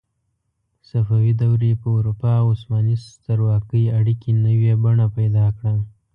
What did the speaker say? صفوي دورې په اروپا او عثماني سترواکۍ اړیکې نوې بڼه پیدا کړه.